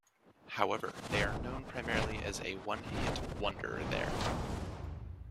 However, they are known primarily as a one-hit wonder there.